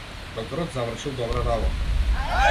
Докторот завршил добра работа.